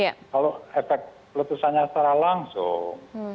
kalau efek letusannya secara langsung